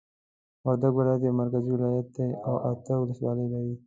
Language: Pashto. وردګ ولایت یو مرکزی ولایت دی او اته ولسوالۍ لری